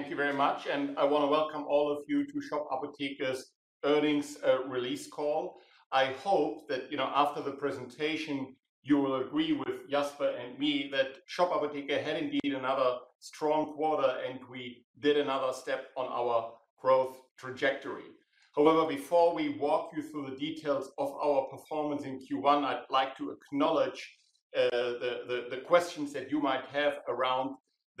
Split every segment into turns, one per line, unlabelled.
Thank you very much. I want to welcome all of you to Shop Apotheke's earnings release call. I hope that after the presentation, you will agree with Jasper and me that Shop Apotheke had indeed another strong quarter, and we did another step on our growth trajectory. Before we walk you through the details of our performance in Q1, I'd like to acknowledge the questions that you might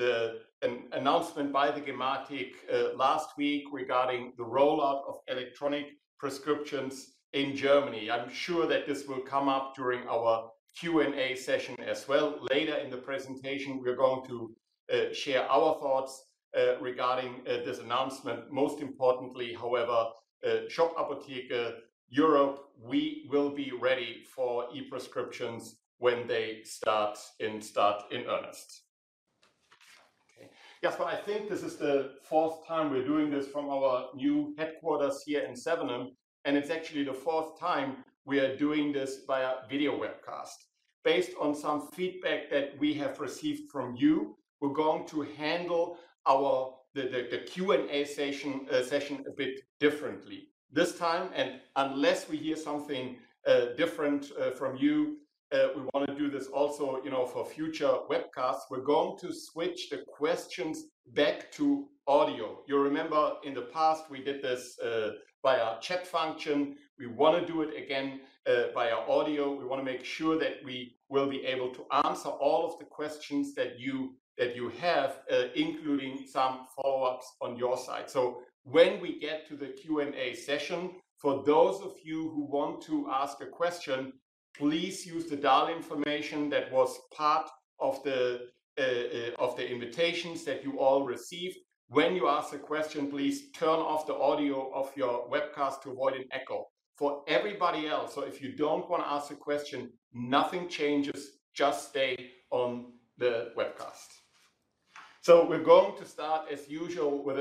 have around the announcement by the Gematik last week regarding the rollout of electronic prescriptions in Germany. I'm sure that this will come up during our Q&A session as well. Later in the presentation, we're going to share our thoughts regarding this announcement. Most importantly, Shop Apotheke Europe, we will be ready for e-prescriptions when they start in earnest. Jasper, I think this is the fourth time we're doing this from our new headquarters here in Sevenum, and it's actually the fourth time we are doing this via video webcast. Based on some feedback that we have received from you, we're going to handle the Q&A session a bit differently. This time, and unless we hear something different from you, we want to do this also for future webcasts. We're going to switch the questions back to audio. You remember in the past, we did this via chat function. We want to do it again via audio. We want to make sure that we will be able to answer all of the questions that you have, including some follow-ups on your side. When we get to the Q&A session, for those of you who want to ask a question, please use the dial-in information that was part of the invitations that you all received. When you ask a question, please turn off the audio of your webcast to avoid an echo. For everybody else, if you don't want to ask a question, nothing changes. Just stay on the webcast. We're going to start as usual with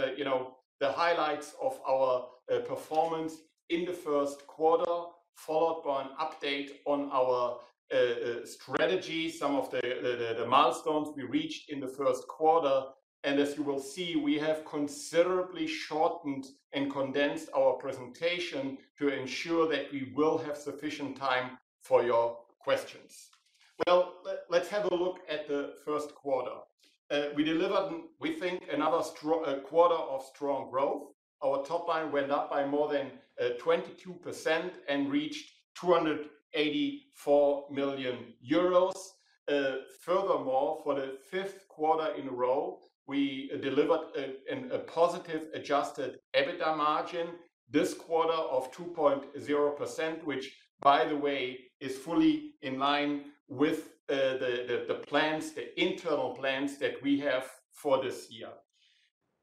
the highlights of our performance in the first quarter, followed by an update on our strategy, some of the milestones we reached in the first quarter. As you will see, we have considerably shortened and condensed our presentation to ensure that we will have sufficient time for your questions. Let's have a look at the first quarter. We delivered, we think, another quarter of strong growth. Our top line went up by more than 22% and reached 284 million euros. For the fifth quarter in a row, we delivered a positive adjusted EBITDA margin this quarter of 2.0%, which by the way, is fully in line with the internal plans that we have for this year.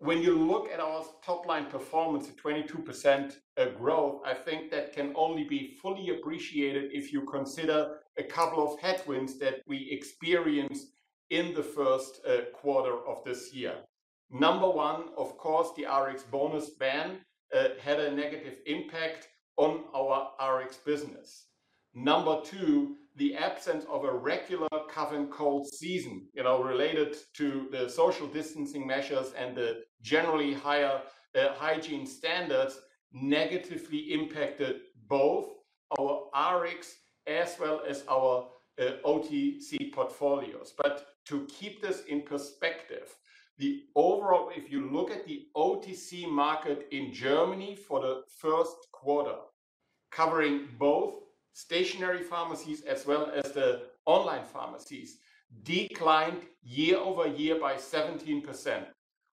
You look at our top-line performance of 22% growth, I think that can only be fully appreciated if you consider a couple of headwinds that we experienced in the first quarter of this year. Number one, of course, the Rx bonus ban had a negative impact on our Rx business. Number two, the absence of a regular cough and cold season, related to the social distancing measures and the generally higher hygiene standards, negatively impacted both our Rx as well as our OTC portfolios. To keep this in perspective, if you look at the OTC market in Germany for the first quarter, covering both stationary pharmacies as well as the online pharmacies, declined year-over-year by 17%.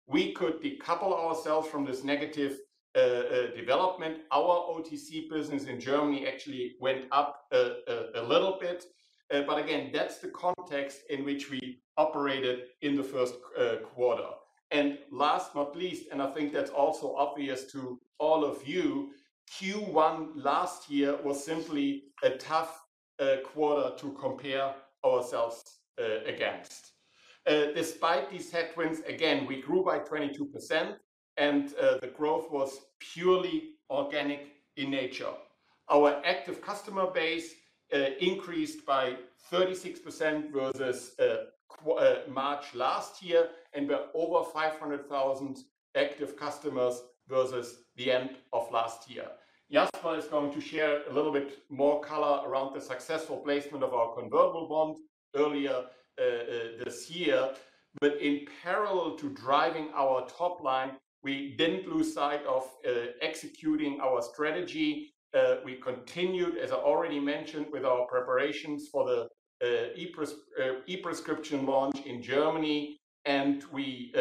We could decouple ourselves from this negative development. Our OTC business in Germany actually went up a little bit. Again, that's the context in which we operated in the first quarter. Last but not least, and I think that's also obvious to all of you, Q1 last year was simply a tough quarter to compare ourselves against. Despite these headwinds, again, we grew by 22%, and the growth was purely organic in nature. Our active customer base increased by 36% versus March last year, and we are over 500,000 active customers versus the end of last year. Jasper is going to share a little bit more color around the successful placement of our convertible bond earlier this year. In parallel to driving our top line, we didn't lose sight of executing our strategy. We continued, as I already mentioned, with our preparations for the e-prescription launch in Germany, and we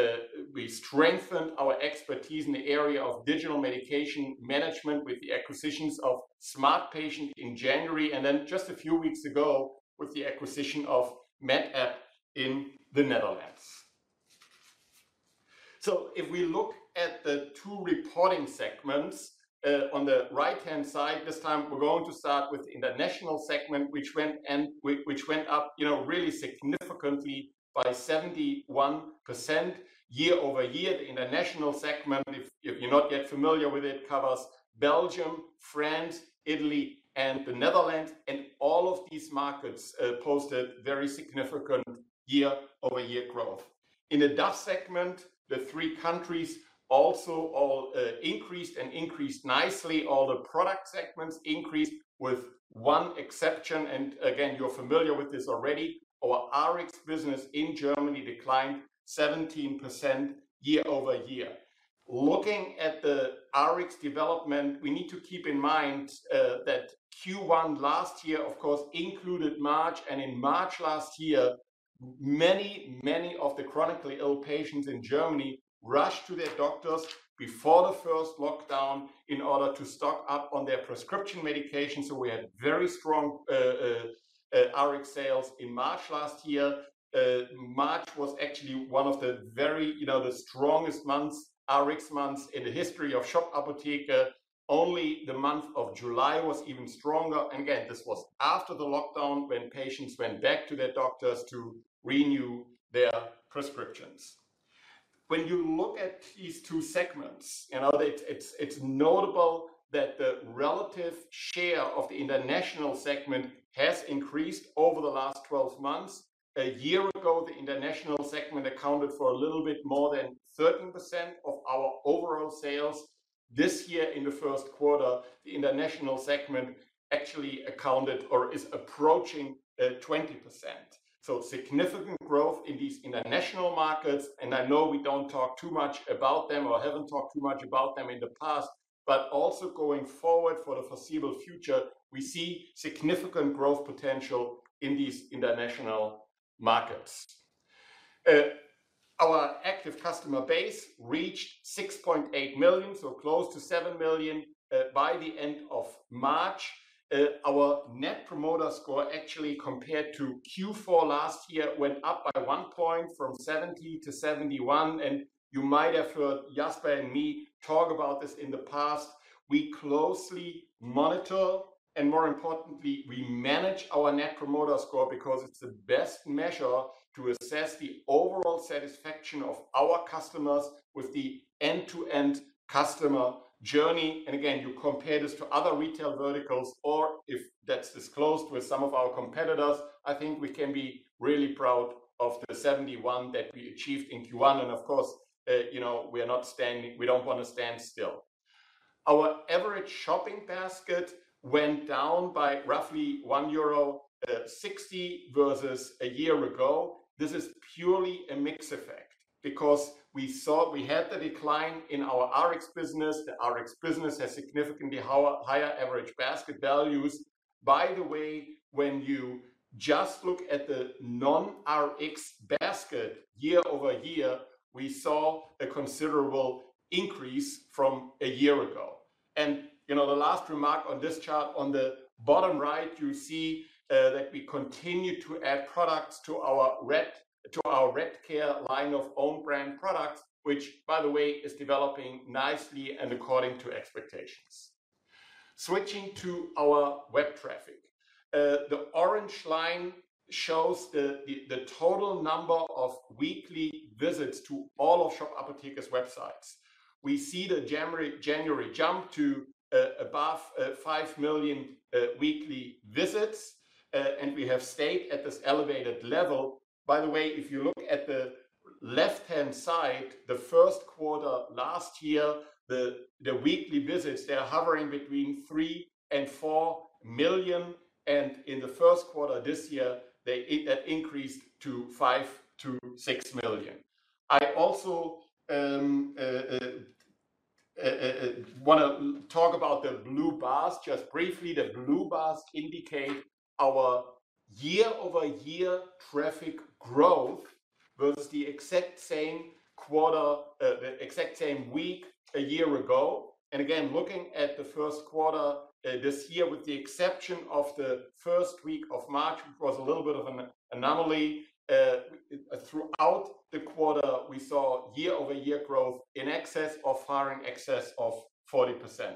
strengthened our expertise in the area of digital medication management with the acquisitions of SmartPatient in January, and then just a few weeks ago, with the acquisition of MedApp in the Netherlands. If we look at the two reporting segments, on the right-hand side this time, we're going to start with the international segment, which went up really significantly by 71% year-over-year, the international segment, if you're not yet familiar with it, covers Belgium, France, Italy, and the Netherlands. All of these markets posted very significant year-over-year growth. In the DACH segment, the three countries also all increased and increased nicely. All the product segments increased with one exception, again, you're familiar with this already, our Rx business in Germany declined 17% year-over-year. Looking at the Rx development, we need to keep in mind that Q1 last year, of course, included March. In March last year, many of the chronically ill patients in Germany rushed to their doctors before the first lockdown in order to stock up on their prescription medications, so we had very strong Rx sales in March last year. March was actually one of the strongest Rx months in the history of Shop Apotheke. Only the month of July was even stronger. Again, this was after the lockdown when patients went back to their doctors to renew their prescriptions. When you look at these two segments, it's notable that the relative share of the international segment has increased over the last 12 months. A year ago, the international segment accounted for a little bit more than 13% of our overall sales. This year in the first quarter, the international segment actually accounted or is approaching 20%. Significant growth in these international markets. I know we don't talk too much about them or haven't talked too much about them in the past, but also going forward for the foreseeable future, we see significant growth potential in these international markets. Our active customer base reached 6.8 million, so close to seven million by the end of March. Our Net Promoter Score actually compared to Q4 last year, went up by one point from 70-71. You might have heard Jasper and me talk about this in the past. We closely monitor and more importantly, we manage our Net Promoter Score because it's the best measure to assess the overall satisfaction of our customers with the end-to-end customer journey. Again, you compare this to other retail verticals or if that's disclosed with some of our competitors, I think we can be really proud of the 71 that we achieved in Q1. Of course, we don't want to stand still. Our average shopping basket went down by roughly 1.60 euro versus a year ago. This is purely a mix effect because we saw we had the decline in our Rx business. The Rx business has significantly higher average basket values. By the way, when you just look at the non-Rx basket year-over-year, we saw a considerable increase from a year ago. The last remark on this chart on the bottom right, you see that we continue to add products to our Redcare line of own-brand products, which by the way, is developing nicely and according to expectations. Switching to our web traffic. The orange line shows the total number of weekly visits to all of Shop Apotheke's websites. We see the January jump to above five million weekly visits. We have stayed at this elevated level. By the way, if you look at the left-hand side, the first quarter last year, the weekly visits, they are hovering between three and four million, and in the first quarter this year, that increased to 5-6million. I also want to talk about the blue bars just briefly. The blue bars indicate our year-over-year traffic growth versus the exact same week a year ago. Again, looking at the first quarter this year, with the exception of the first week of March, which was a little bit of an anomaly. Throughout the quarter, we saw year-over-year growth in far in excess of 40%.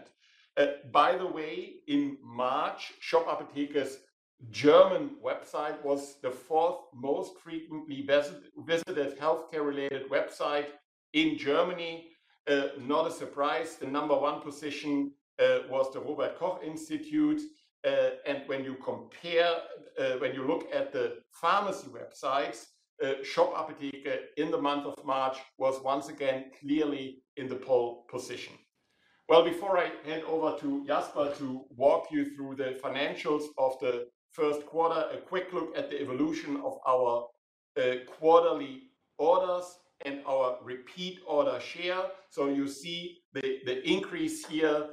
By the way, in March, Shop Apotheke's German website was the fourth most frequently visited healthcare-related website in Germany. Not a surprise. The number one position was the Robert Koch Institute. When you look at the pharmacy websites, Shop Apotheke in the month of March was once again clearly in the pole position. Before I hand over to Jasper to walk you through the financials of the first quarter, a quick look at the evolution of our quarterly orders and our repeat order share. You see the increase here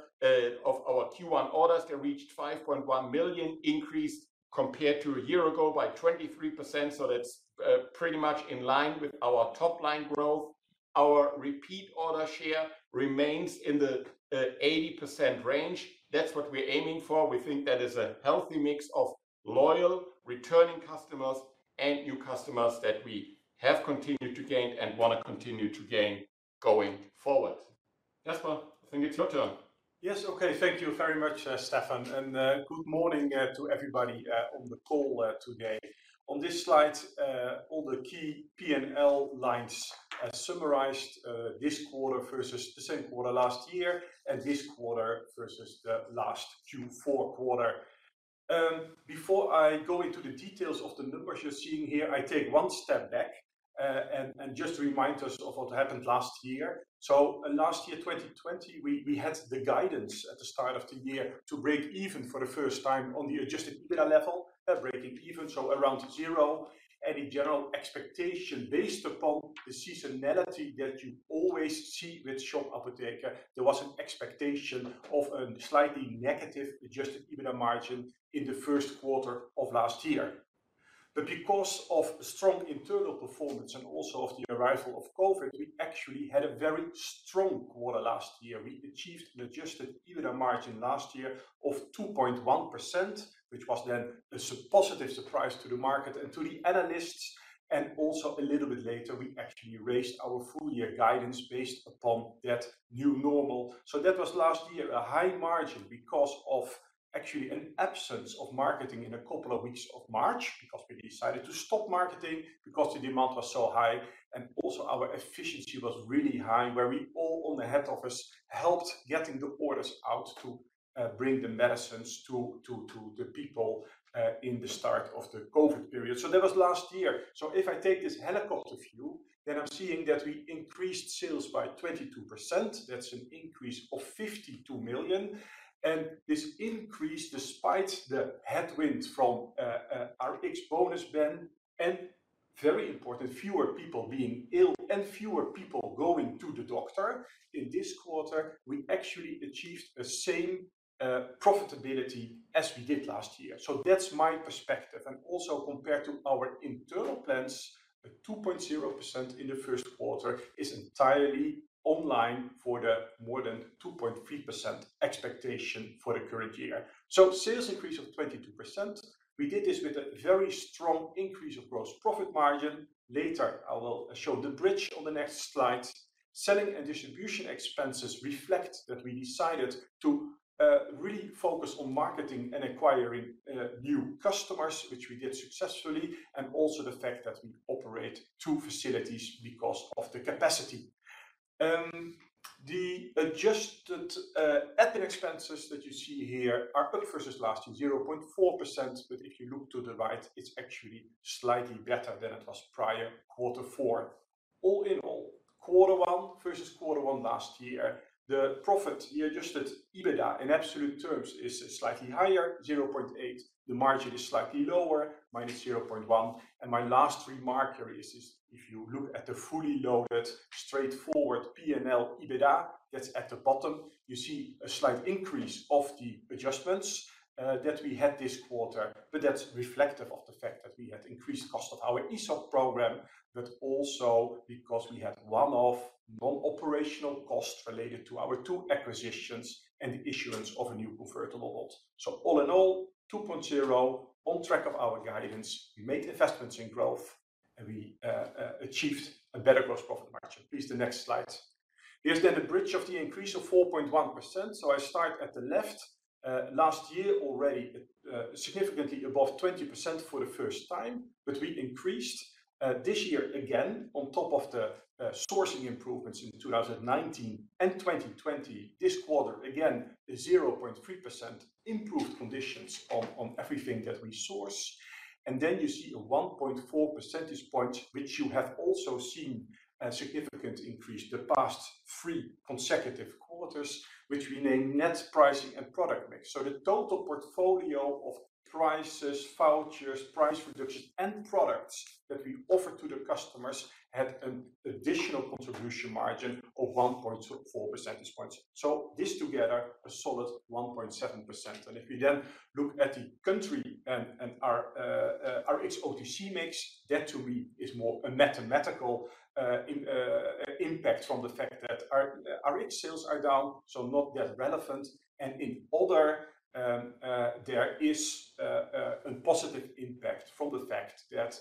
of our Q1 orders. They reached 5.1 million increase compared to a year ago by 23%. That's pretty much in line with our top-line growth. Our repeat order share remains in the 80% range. That's what we're aiming for. We think that is a healthy mix of loyal returning customers and new customers that we have continued to gain and want to continue to gain going forward. Jasper, I think it's your turn.
Yes. Okay. Thank you very much, Stefan. Good morning to everybody on the call today. On this slide, all the key P&L lines are summarized this quarter versus the same quarter last year, and this quarter versus the last Q4 quarter. Before I go into the details of the numbers you're seeing here, I take one step back and just remind us of what happened last year. Last year, 2020, we had the guidance at the start of the year to break even for the first time on the adjusted EBITDA level. Breaking even, around zero. In general, expectation based upon the seasonality that you always see with Shop Apotheke, there was an expectation of a slightly negative adjusted EBITDA margin in the first quarter of last year. Because of strong internal performance and also of the arrival of COVID, we actually had a very strong quarter last year. We achieved an adjusted EBITDA margin last year of 2.1%, which was then a positive surprise to the market and to the analysts, and also a little bit later, we actually raised our full year guidance based upon that new normal. That was last year, a high margin because of actually an absence of marketing in a couple of weeks of March, because we decided to stop marketing because the demand was so high and also our efficiency was really high, where we all on the head office helped getting the orders out to bring the medicines to the people in the start of the COVID period. If I take this helicopter view, I'm seeing that we increased sales by 22%. That's an increase of 52 million. This increase, despite the headwinds from our Rx bonus ban, and very important, fewer people being ill and fewer people going to the doctor. In this quarter, we actually achieved the same profitability as we did last year. That's my perspective. Also compared to our internal plans, a 2.0% in the first quarter is entirely online for the more than 2.3% expectation for the current year. Sales increase of 22%. We did this with a very strong increase of gross profit margin. Later I will show the bridge on the next slide. Selling and distribution expenses reflect that we decided to really focus on marketing and acquiring new customers, which we did successfully, and also the fact that we operate two facilities because of the capacity. The adjusted admin expenses that you see here are good versus last year, 0.4%, but if you look to the right, it's actually slightly better than it was prior quarter four. All in all, quarter one versus quarter one last year, the profit, the adjusted EBITDA, in absolute terms, is slightly higher, 0.8. The margin is slightly lower ,-0.1. My last remark here is if you look at the fully loaded, straightforward P&L EBITDA, that's at the bottom. You see a slight increase of the adjustments that we had this quarter, but that's reflective of the fact that we had increased cost of our ESOP program, but also because we had one-off non-operational cost related to our two acquisitions and the issuance of a new convertible. All in all, 2.0 on track of our guidance. We made investments in growth, and we achieved a better gross profit margin. Please, the next slide. Here's the bridge of the increase of 4.1%. I start at the left. Last year, already significantly above 20% for the first time, but we increased this year again on top of the sourcing improvements in 2019 and 2020. This quarter, again, a 0.3% improved conditions on everything that we source. You see a 1.4 percentage point, which you have also seen a significant increase the past three consecutive quarters, which we name net pricing and product mix. The total portfolio of prices, vouchers, price reductions, and products that we offer to the customers had an additional contribution margin of 1.4 percentage points. This together, a solid 1.7%. If we then look at the country and our Rx OTC mix, that to me is more a mathematical impact from the fact that our Rx sales are down, not that relevant, and in other, there is a positive impact from the fact that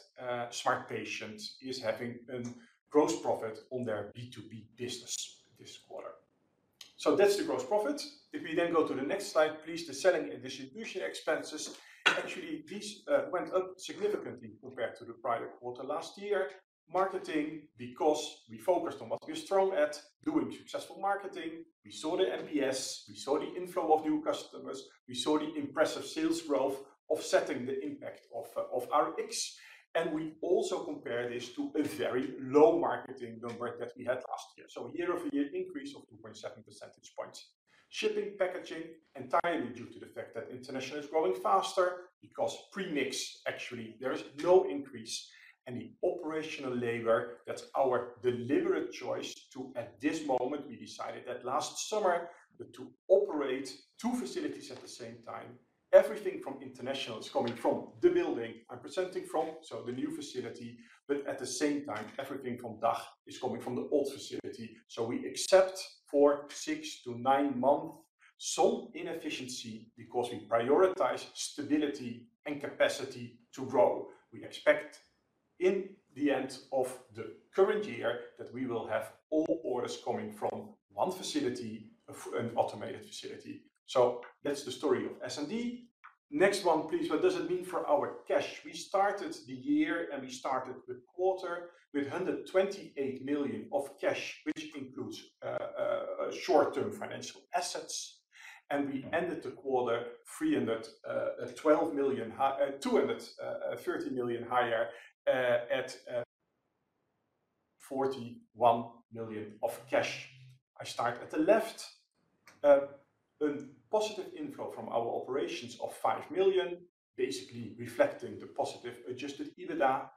SmartPatient is having a gross profit on their B2B business this quarter. That's the gross profit. If we then go to the next slide, please, the selling and distribution expenses. Actually, these went up significantly compared to the prior quarter last year. Marketing, because we focused on what we're strong at, doing successful marketing. We saw the NPS, we saw the inflow of new customers, we saw the impressive sales growth offsetting the impact of Rx. We also compare this to a very low marketing number that we had last year. Year-over-year increase of 2.7 percentage points. Shipping, packaging, entirely due to the fact that international is growing faster because per-mix, actually, there is no increase. The operational labor, that's our deliberate choice to operate two facilities at the same time. Everything from international is coming from the building I'm presenting from, so the new facility. At the same time, everything from DACH is coming from the old facility. We accept for 6-9 months some inefficiency because we prioritize stability and capacity to grow. We expect in the end of the current year that we will have all orders coming from one facility, an automated facility. That's the story of S&D. Next one, please. What does it mean for our cash? We started the year and we started the quarter with 128 million of cash, which includes short-term financial assets. We ended the quarter at 230 million higher at 41 million of cash. I start at the left. A positive inflow from our operations of five million, basically reflecting the positive adjusted EBITDA.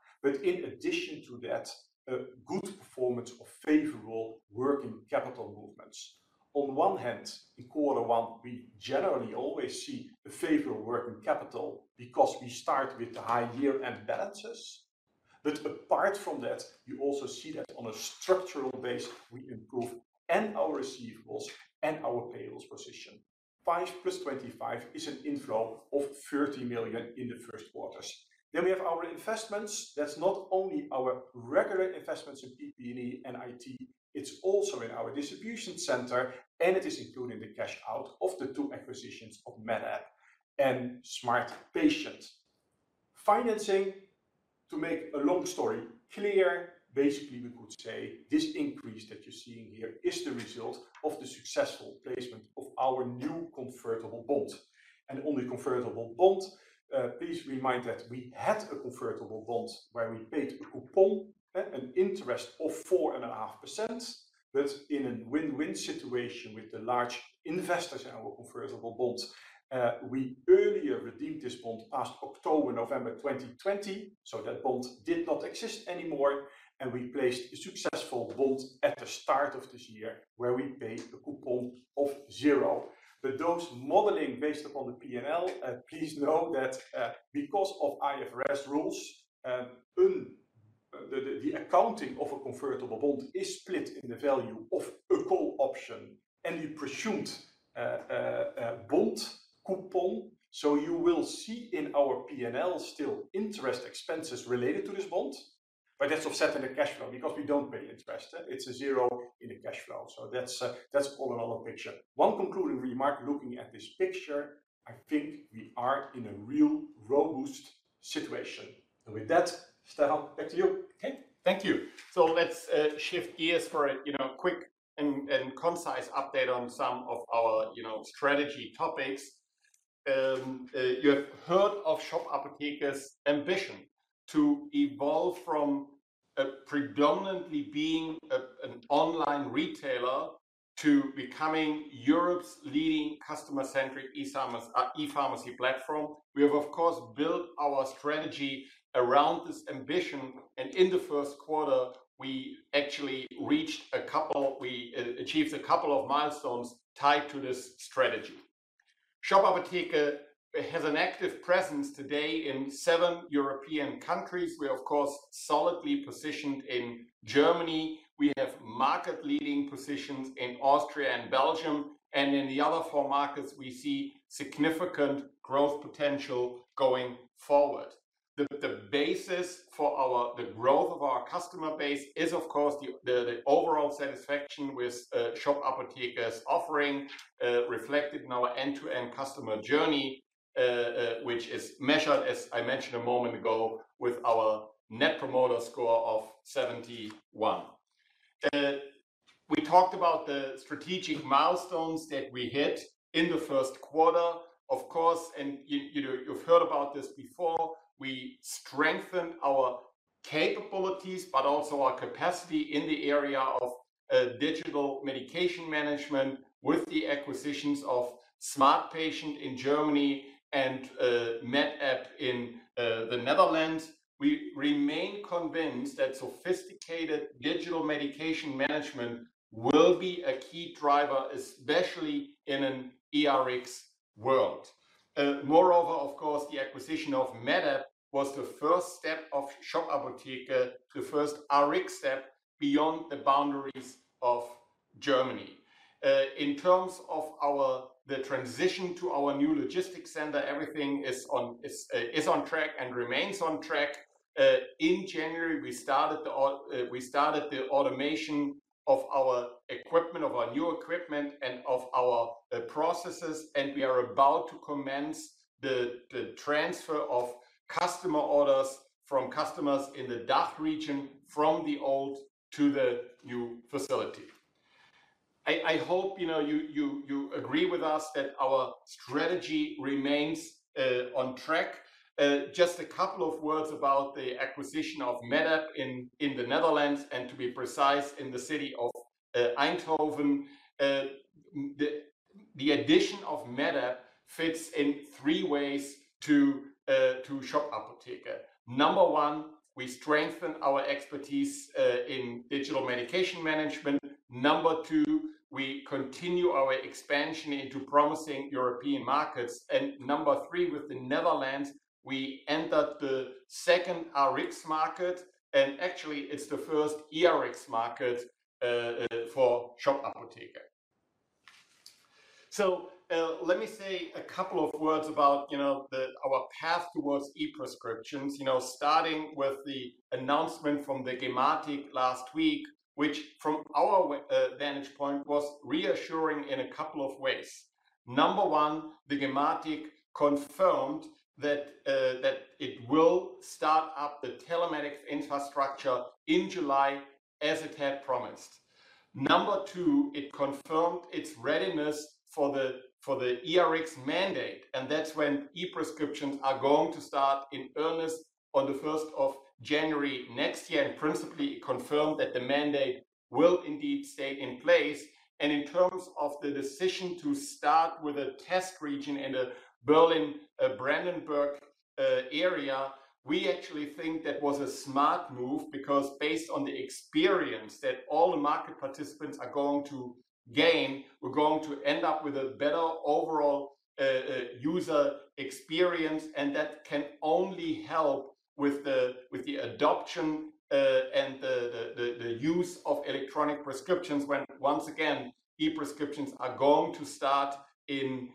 In addition to that, a good performance of favorable working capital movements. On one hand, in quarter one, we generally always see a favorable working capital because we start with the high year-end balances. Apart from that, you also see that on a structural base, we improve and our receivables and our payables position. 5+25 is an inflow of 30 million in the first quarters. We have our investments. That's not only our regular investments in PP&E and IT, it's also in our distribution center, and it is including the cash out of the two acquisitions of MedApp and SmartPatient. Financing, to make a long story clear, basically we could say this increase that you're seeing here is the result of the successful placement of our new convertible bond and only convertible bond. Please remind that we had a convertible bond where we paid a coupon, an interest of 4.5%. In a win-win situation with the large investors in our convertible bonds, we earlier redeemed this bond past October, November 2020, so that bond did not exist anymore. We placed a successful bond at the start of this year where we paid a coupon of zero. Those modeling based upon the P&L, please note that, because of IFRS rules, the accounting of a convertible bond is split in the value of a call option and the presumed bond coupon. You will see in our P&L still interest expenses related to this bond, but that's offset in the cash flow because we don't pay interest. It's a zero in the cash flow. That's all another picture. One concluding remark looking at this picture, I think we are in a real robust situation. With that, Stefan, back to you.
Okay. Thank you. Let's shift gears for a quick and concise update on some of our strategy topics. You have heard of Shop Apotheke's ambition to evolve from predominantly being an online retailer to becoming Europe's leading customer-centric, e-pharmacy platform. We have, of course, built our strategy around this ambition, and in the first quarter, we actually achieved a couple of milestones tied to this strategy. Shop Apotheke has an active presence today in seven European countries. We are, of course, solidly positioned in Germany. We have market-leading positions in Austria and Belgium, and in the other four markets, we see significant growth potential going forward. The basis for the growth of our customer base is, of course, the overall satisfaction with Shop Apotheke's offering, reflected in our end-to-end customer journey, which is measured, as I mentioned a moment ago, with our Net Promoter Score of 71. We talked about the strategic milestones that we hit in the first quarter. Of course, and you've heard about this before, we strengthened our capabilities, but also our capacity in the area of digital medication management with the acquisitions of SmartPatient in Germany and MedApp in the Netherlands. We remain convinced that sophisticated digital medication management will be a key driver, especially in an e-Rx world. Moreover, of course, the acquisition of MedApp was the first step of Shop Apotheke, the first Rx step beyond the boundaries of Germany. In terms of the transition to our new logistics center, everything is on track and remains on track. In January, we started the automation of our new equipment and of our processes, and we are about to commence the transfer of customer orders from customers in the DACH region from the old to the new facility. I hope you agree with us that our strategy remains on track. Just a couple of words about the acquisition of MedApp in the Netherlands, and to be precise, in the city of Eindhoven. The addition of MedApp fits in three ways to Shop Apotheke. Number one, we strengthen our expertise in digital medication management. Number two, we continue our expansion into promising European markets. Number three, with the Netherlands, we entered the second Rx market, and actually it's the first e-Rx market for Shop Apotheke. Let me say a couple of words about our path towards e-prescriptions, starting with the announcement from the gematik last week, which from our vantage point, was reassuring in a couple of ways. Number one, the gematik confirmed that it will start up the telematics infrastructure in July as it had promised. Number two, it confirmed its readiness for the e-Rx mandate, and that's when e-prescriptions are going to start in earnest on the 1st of January next year, and principally confirmed that the mandate will indeed stay in place. In terms of the decision to start with a test region in the Berlin, Brandenburg area, we actually think that was a smart move because based on the experience that all the market participants are going to gain, we're going to end up with a better overall user experience, and that can only help with the adoption and the use of electronic prescriptions when, once again, e-prescriptions are going to start in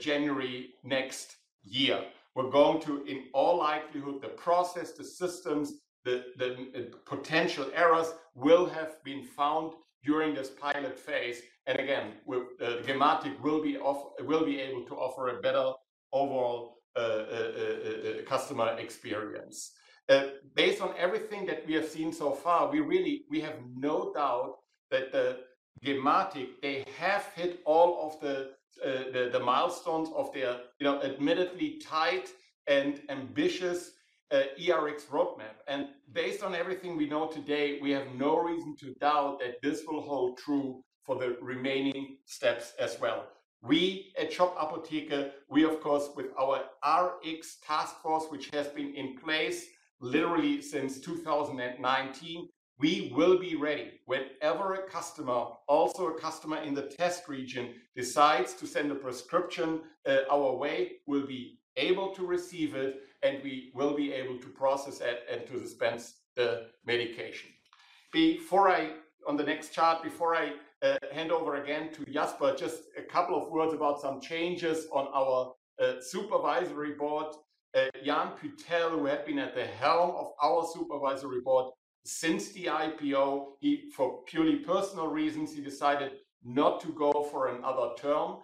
January next year. In all likelihood, the process, the systems, the potential errors will have been found during this pilot phase. Again, gematik will be able to offer a better overall customer experience. Based on everything that we have seen so far, we have no doubt that the Gematik, they have hit all of the milestones of their admittedly tight and ambitious e-Rx roadmap. Based on everything we know today, we have no reason to doubt that this will hold true for the remaining steps as well. We at Shop Apotheke, we of course, with our Rx task force, which has been in place literally since 2019, we will be ready. Whenever a customer, also a customer in the test region, decides to send a prescription our way, we'll be able to receive it, and we will be able to process it and to dispense the medication. On the next chart, before I hand over again to Jasper, just a couple of words about some changes on our Supervisory Board. Jan Pyttel, who had been at the helm of our Supervisory Board since the IPO, for purely personal reasons, he decided not to go for another term.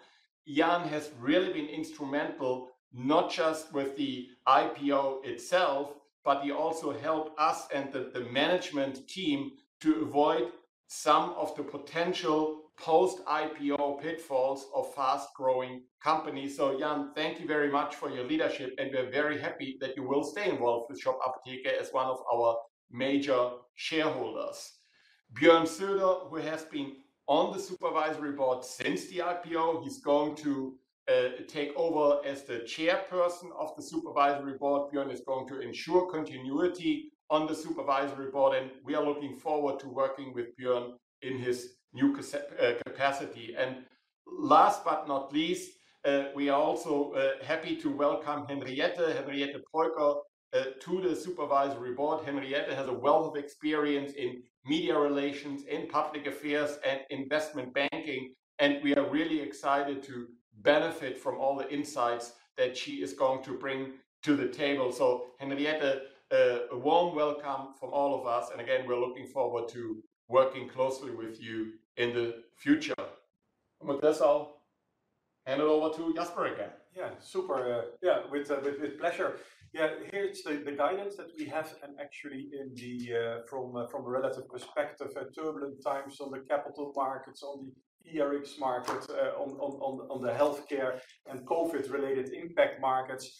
Jan has really been instrumental, not just with the IPO itself, but he also helped us and the management team to avoid some of the potential post-IPO pitfalls of fast-growing companies. Jan, thank you very much for your leadership, and we're very happy that you will stay involved with Shop Apotheke as one of our major shareholders. Björn Söder, who has been on the Supervisory Board since the IPO, he's going to take over as the Chairperson of the Supervisory Board. Björn is going to ensure continuity on the Supervisory Board, and we are looking forward to working with Björn in his new capacity. Last but not least, we are also happy to welcome Henriette Peucker to the Supervisory Board. Henriette has a wealth of experience in media relations, in public affairs, and investment banking. We are really excited to benefit from all the insights that she is going to bring to the table. Henriette, a warm welcome from all of us. Again, we're looking forward to working closely with you in the future. With this, I'll hand it over to Jasper again.
Yeah. Super. Yeah, with pleasure. Yeah, here it's the guidance that we have and actually from a relative perspective at turbulent times on the capital markets, on the e-Rx market, on the healthcare and COVID-related impact markets.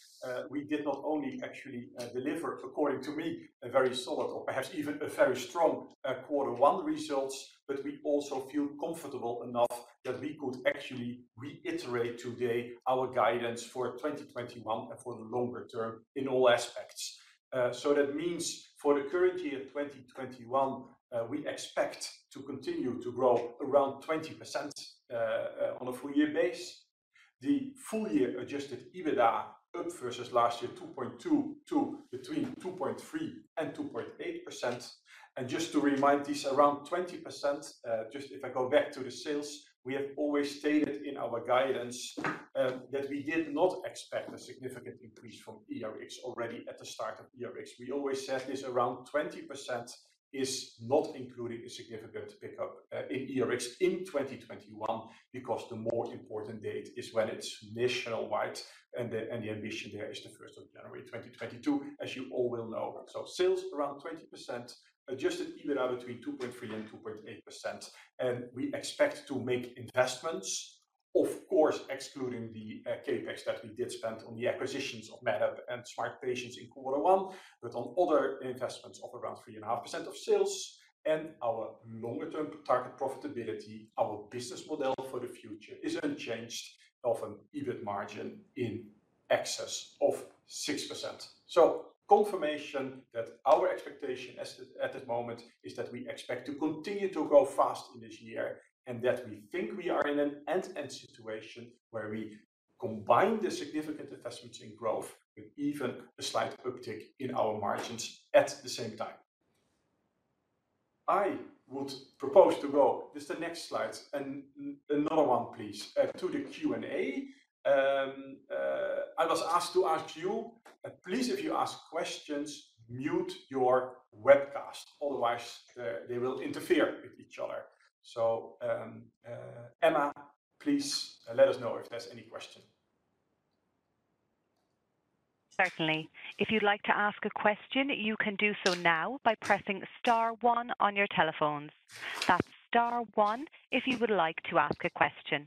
We did not only actually deliver, according to me, a very solid or perhaps even a very strong Quarter 1 results, but we also feel comfortable enough that we could actually reiterate today our guidance for 2021 and for the longer term in all aspects. That means for the current year, 2021, we expect to continue to grow around 20% on a full year basis. The full year adjusted EBITDA up versus last year, 2.2% to between 2.3% and 2.8%. Just to remind this around 20%, just if I go back to the sales, we have always stated in our guidance that we did not expect a significant increase from e-Rx already at the start of e-Rx. We always said this around 20% is not including a significant pickup in e-Rx in 2021 because the more important date is when it's nationwide, and the ambition there is the 1st of January 2022, as you all will know. Sales around 20%, adjusted EBITDA between 2.3%-2.8%. We expect to make investments, of course, excluding the CapEx that we did spend on the acquisitions of MedApp and SmartPatient in Quarter one, but on other investments of around 3.5% of sales. Our longer-term target profitability, our business model for the future is unchanged of an EBIT margin in excess of 6%. Confirmation that our expectation at this moment is that we expect to continue to grow fast in this year, and that we think we are in an end-to-end situation where we combine the significant investments in growth with even a slight uptick in our margins at the same time. I would propose to go, this is the next slide, and another one please, to the Q&A. I was asked to ask you, please, if you ask questions, mute your webcast. Otherwise, they will interfere with each other. Emma, please let us know if there's any question.
Certainly. If you'd like to ask a question, you can do so now by pressing star one on your telephones. That's star one if you would like to ask a question.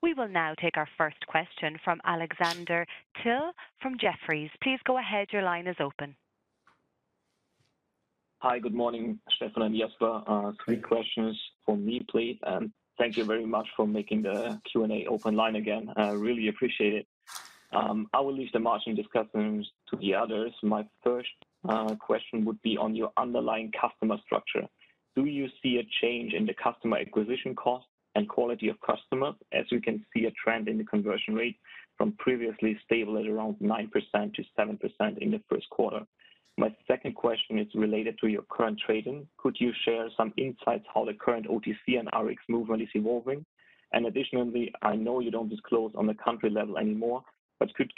We will now take our first question from Alexander Thiel from Jefferies. Please go ahead. Your line is open.
Hi. Good morning, Stephan and Jasper. Three questions from me, please, and thank you very much for making the Q&A open line again. I really appreciate it. I will leave the margin discussions to the others. My first question would be on your underlying customer structure. Do you see a change in the customer acquisition cost and quality of customers as we can see a trend in the conversion rate from previously stable at around 9% to 7% in the first quarter? My second question is related to your current trading. Could you share some insights how the current OTC and Rx movement is evolving? Additionally, I know you don't disclose on the country level anymore, but could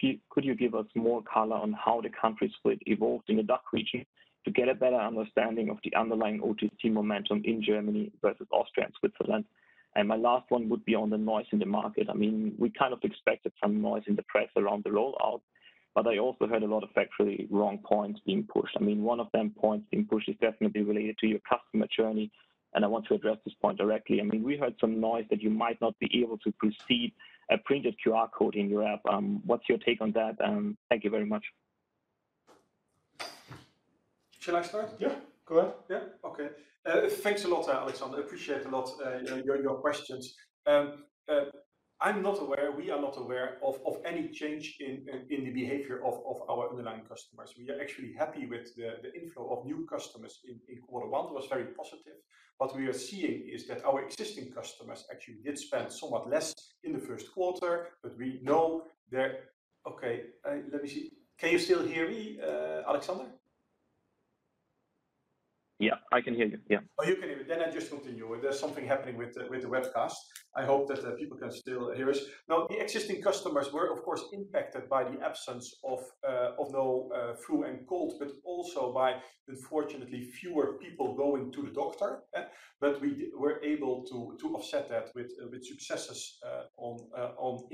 you give us more color on how the country split evolved in the DACH region to get a better understanding of the underlying OTC momentum in Germany versus Austria and Switzerland? My last one would be on the noise in the market. We kind of expected some noise in the press around the rollout, but I also heard a lot of factually wrong points being pushed. One of them points being pushed is definitely related to your customer journey, and I want to address this point directly. We heard some noise that you might not be able to precede a printed QR code in your app. What's your take on that? Thank you very much.
Shall I start?
Yeah, go ahead. Yeah. Okay. Thanks a lot, Alexander. Appreciate a lot your questions. I am not aware, we are not aware of any change in the behavior of our underlying customers. We are actually happy with the inflow of new customers in quarter one. It was very positive. What we are seeing is that our existing customers actually did spend somewhat less in the first quarter. Okay. Let me see. Can you still hear me, Alexander?
Yeah, I can hear you. Yeah.
Oh, you can hear me. I just continue. There's something happening with the webcast. I hope that people can still hear us. The existing customers were, of course, impacted by the absence of no flu and cold, but also by, unfortunately, fewer people going to the doctor. We were able to offset that with successes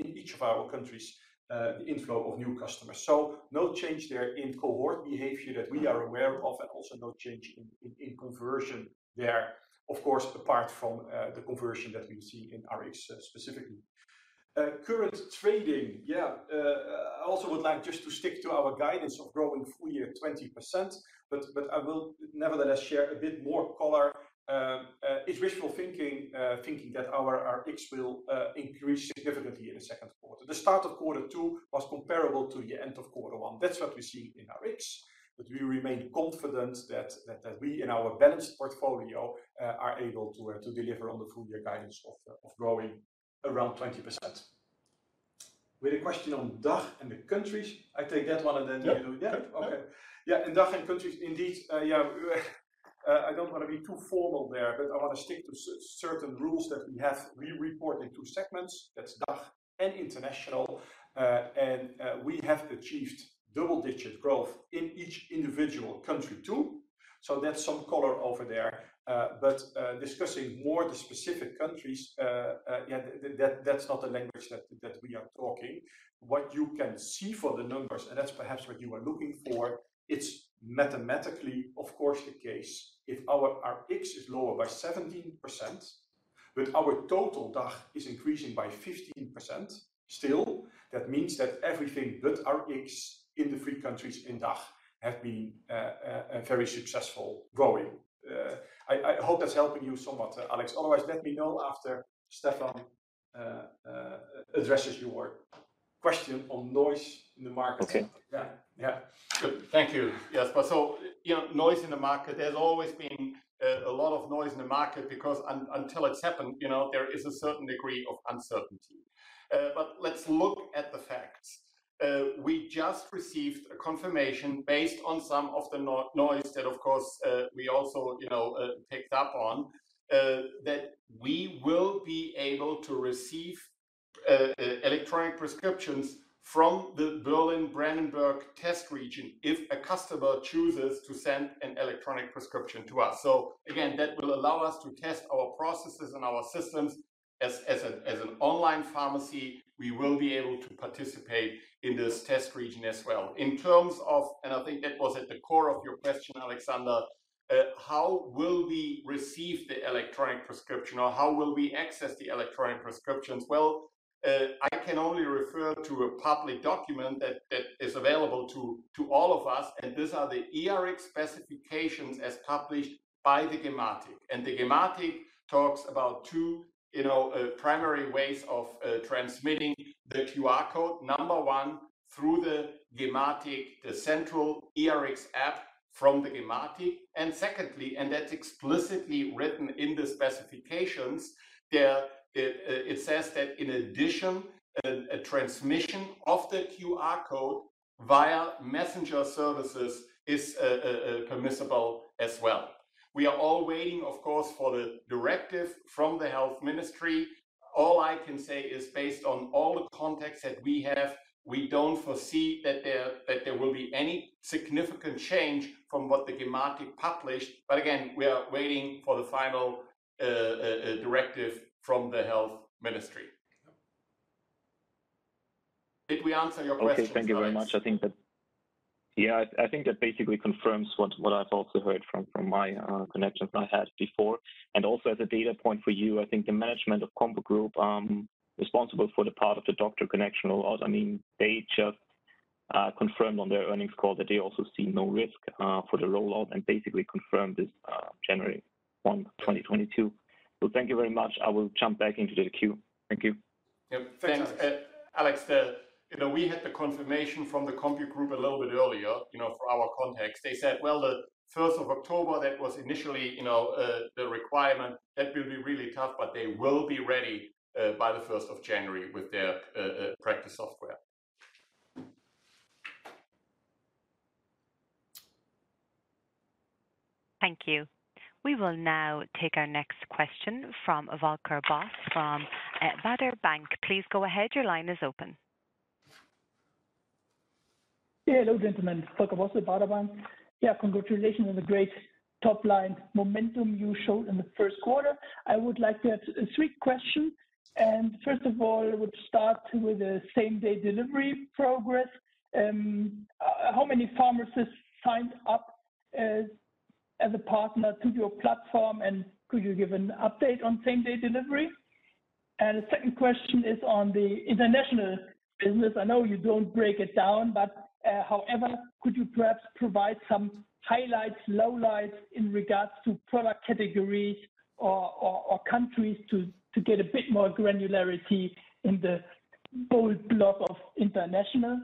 in each of our countries, the inflow of new customers. No change there in cohort behavior that we are aware of, and also no change in conversion there, of course, apart from the conversion that we see in Rx specifically. Current trading. I also would like just to stick to our guidance of growing full-year 20%, but I will nevertheless share a bit more color. It's wishful thinking that our Rx will increase significantly in the second quarter. The start of quarter two was comparable to the end of quarter one. That's what we see in Rx. We remain confident that we, in our balanced portfolio, are able to deliver on the full-year guidance of growing around 20%. We had a question on DACH and the countries. I take that one, then you.
Yeah.
Okay. In DACH and countries indeed. I don't want to be too formal there, but I want to stick to certain rules that we have. We report in two segments. That's DACH and international. We have achieved double-digit growth in each individual country too. That's some color over there. Discussing more of the specific countries, that's not the language that we are talking. What you can see for the numbers, and that's perhaps what you are looking for, it's mathematically, of course, the case. If our Rx is lower by 17%, but our total DACH is increasing by 15%, still, that means that everything but Rx in the three countries in DACH have been very successful growing. I hope that's helping you somewhat, Alex. Otherwise, let me know after Stephan addresses your question on noise in the market.
Okay.
Yeah.
Good. Thank you. Jasper. Noise in the market, there's always been a lot of noise in the market because until it's happened, there is a certain degree of uncertainty. Let's look at the facts. We just received a confirmation based on some of the noise that, of course, we also picked up on, that we will be able to receive electronic prescriptions from the Berlin-Brandenburg test region if a customer chooses to send an electronic prescription to us. Again, that will allow us to test our processes and our systems. As an online pharmacy, we will be able to participate in this test region as well. In terms of, and I think that was at the core of your question, Alexander, how will we receive the electronic prescription or how will we access the electronic prescriptions? Well, I can only refer to a public document that is available to all of us, and these are the e-Rx specifications as published by the gematik. The gematik talks about two primary ways of transmitting the QR code. Number one, through the gematik, the central e-Rx app from the gematik. Secondly, and that's explicitly written in the specifications, it says that in addition, a transmission of the QR code via messenger services is permissible as well. We are all waiting, of course, for the directive from the health ministry. All I can say is based on all the contacts that we have, we don't foresee that there will be any significant change from what the Gematik published. Again, we are waiting for the final directive from the health ministry. Did we answer your question, Alex?
Okay. Thank you very much. I think that basically confirms what I've also heard from my connections I had before. Also as a data point for you, I think the management of CompuGroup, responsible for the part of the doctor connection rollout. They just confirmed on their earnings call that they also see no risk for the rollout and basically confirmed this January 1, 2022. Thank you very much. I will jump back into the queue. Thank you.
Yeah. Thanks. Alex, we had the confirmation from the CompuGroup a little bit earlier, for our context. They said, the 1st of October, that was initially the requirement. That will be really tough, they will be ready by the 1st of January with their practice software.
Thank you. We will now take our next question from Volker Bosse from Baader Bank. Please go ahead. Your line is open.
Yeah. Hello, gentlemen. Volker Bosse with Baader Bank. Yeah. Congratulations on the great top-line momentum you showed in the first quarter. I would like to ask three questions. First of all, I would start with the same-day delivery progress. How many pharmacists signed up as a partner to your platform, and could you give an update on same-day delivery? The second question is on the international business. I know you don't break it down, but however, could you perhaps provide some highlights, lowlights in regards to product categories or countries to get a bit more granularity in the bold block of international?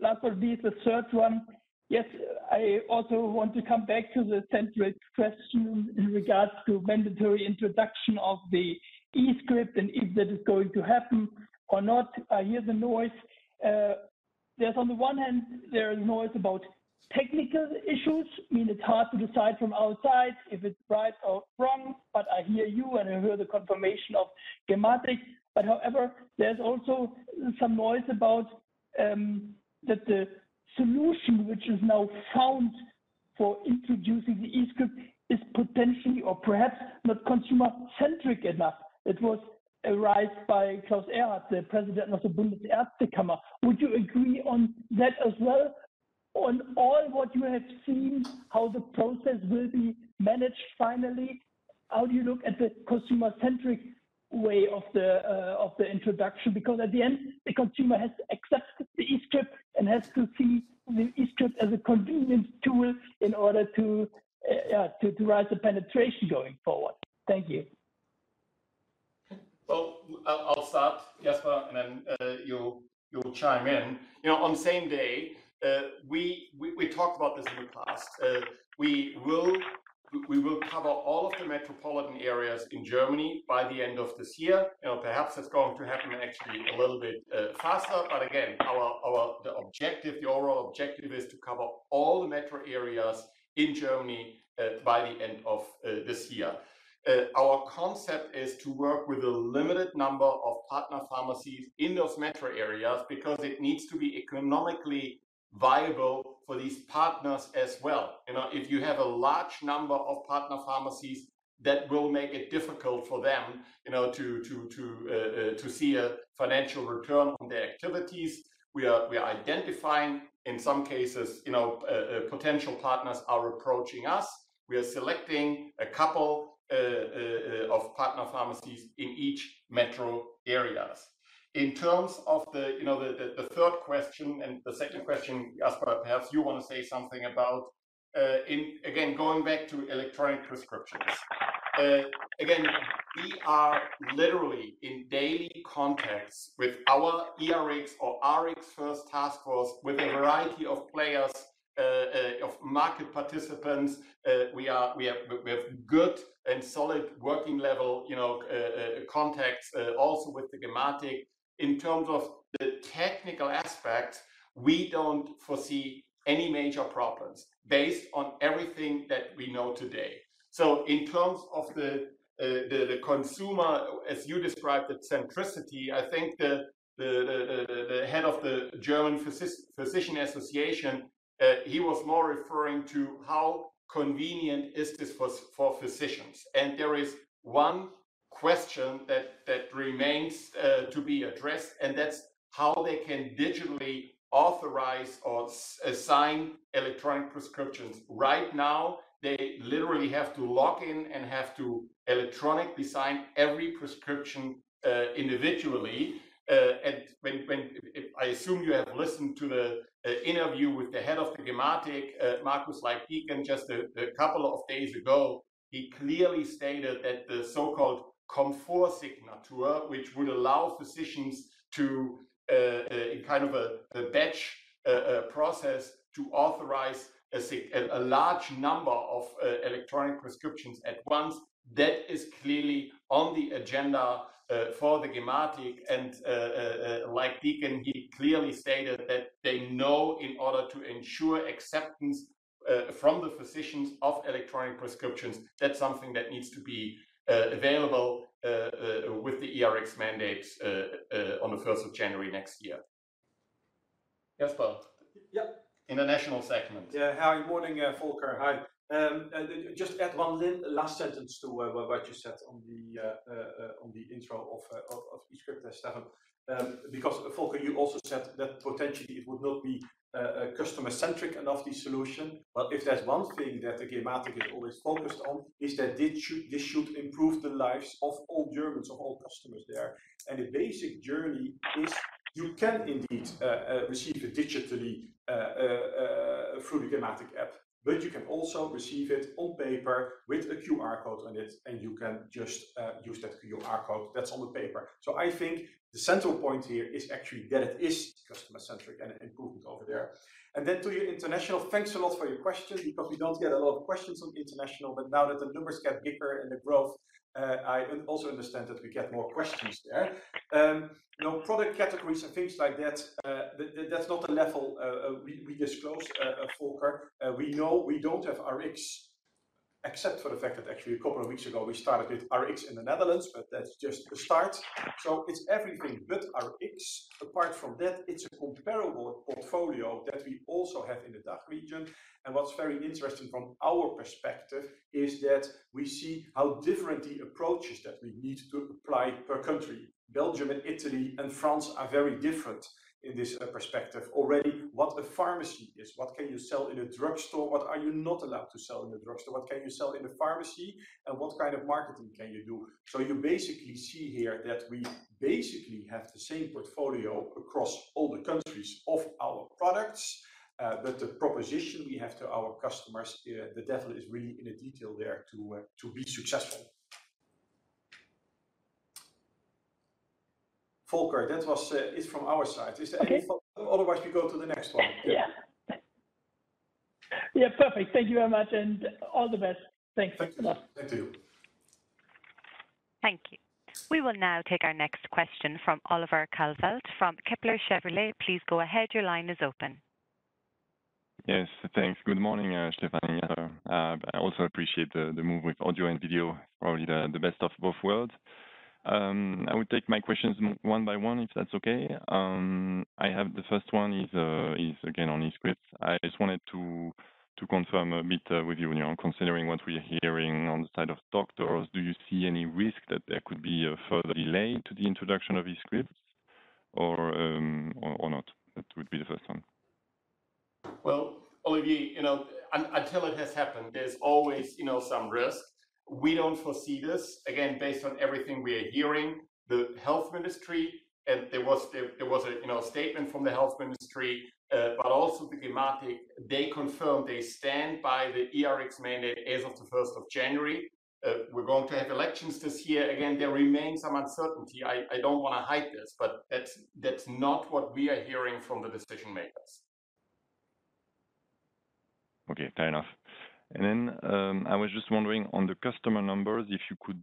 Last but least, the third one. Yes, I also want to come back to the same-day question in regards to mandatory introduction of the e-prescription and if that is going to happen or not. I hear the noise. There's on the one hand, there is noise about technical issues. I mean, it's hard to decide from outside if it's right or wrong, but I hear you and I hear the confirmation of gematik. However, there's also some noise about that the solution which is now found for introducing the e-prescription is potentially or perhaps not consumer-centric enough. It was raised by Klaus Reinhardt, the President of the Bundesärztekammer. Would you agree on that as well? On all what you have seen, how the process will be managed finally, how do you look at the consumer-centric way of the introduction? Because at the end, the consumer has to accept the e-prescription and has to see the e-prescription as a convenient tool in order to drive the penetration going forward. Thank you.
Well, I'll start, Jasper, and then you'll chime in. On same day, we talked about this in the past. We will cover all of the metropolitan areas in Germany by the end of this year. Perhaps it's going to happen actually a little bit faster. Again, the overall objective is to cover all the metro areas in Germany by the end of this year. Our concept is to work with a limited number of partner pharmacies in those metro areas because it needs to be economically viable for these partners as well. If you have a large number of partner pharmacies, that will make it difficult for them to see a financial return on their activities. We are identifying, in some cases, potential partners are approaching us. We are selecting a couple of partner pharmacies in each metro areas. In terms of the third question and the second question, Jasper, perhaps you want to say something about, again, going back to electronic prescriptions. Again, we are literally in daily contacts with our e-Rx or Rx first task force with a variety of players, of market participants. We have good and solid working-level contacts also with the gematik. In terms of the technical aspects, we don't foresee any major problems based on everything that we know today. In terms of the consumer, as you described it, centricity, I think the head of the German Medical Association, he was more referring to how convenient is this for physicians. There is one question that remains to be addressed, and that's how they can digitally authorize or sign electronic prescriptions. Right now, they literally have to log in and have to electronically sign every prescription individually. I assume you have listened to the interview with the head of the gematik, Markus Leyck Dieken, just a couple of days ago. He clearly stated that the so-called Komfortsignatur, which would allow physicians to, in kind of a batch process, to authorize a large number of electronic prescriptions at once. That is clearly on the agenda for the gematik. Leyck Dieken, he clearly stated that they know in order to ensure acceptance from the physicians of electronic prescriptions, that is something that needs to be available with the e-Rx mandates on the 1st of January next year. Jasper.
Yeah.
International segment.
Yeah. Hi, morning Volker. Hi. Just to add one last sentence to what you said on the intro of e-prescription, Stefan. Volker, you also said that potentially it would not be customer-centric enough, the solution. If there's one thing that Gematik is always focused on, it's that this should improve the lives of all Germans, of all customers there. The basic journey is you can indeed receive it digitally through the Gematik app, but you can also receive it on paper with a QR code on it, and you can just use that QR code that's on the paper. I think the central point here is actually that it is customer-centric and improved over there. Then to you International, thanks a lot for your question, because we don't get a lot of questions on the International, but now that the numbers get bigger and the growth, I also understand that we get more questions there. Product categories and things like that's not the level we disclose, Volker. We know we don't have Rx except for the fact that actually a couple of weeks ago, we started with Rx in the Netherlands, but that's just the start. It's everything but Rx. Apart from that, it's a comparable portfolio that we also have in the DACH region. What's very interesting from our perspective is that we see how different the approaches that we need to apply per country. Belgium and Italy and France are very different in this perspective. Already, what a pharmacy is, what can you sell in a drugstore? What are you not allowed to sell in a drugstore? What can you sell in a pharmacy, and what kind of marketing can you do? You basically see here that we basically have the same portfolio across all the countries of our products. The proposition we have to our customers, the devil is really in the detail there to be successful. Volker, that is from our side.
Okay.
Is there any follow-up? Otherwise, we go to the next one.
Yeah. Yeah, perfect. Thank you very much and all the best. Thanks a lot.
Thank you.
Thank you. We will now take our next question from Olivier Calvet from Kepler Cheuvreux. Please go ahead. Your line is open.
Yes, thanks. Good morning, Stefan. I also appreciate the move with audio and video. Probably the best of both worlds. I would take my questions one by one, if that's okay. I have the first one is again on e-prescription. I just wanted to confirm a bit with you, considering what we are hearing on the side of doctors, do you see any risk that there could be a further delay to the introduction of e-prescription or not? That would be the first one.
Well, Olivier, until it has happened, there's always some risk. We don't foresee this, again, based on everything we are hearing. The health ministry, and there was a statement from the health ministry, but also the Gematik, they confirmed they stand by the eRx mandate as of the 1st of January. We're going to have elections this year. Again, there remains some uncertainty. I don't want to hide this, but that's not what we are hearing from the decision-makers.
Okay, fair enough. I was just wondering on the customer numbers, if you could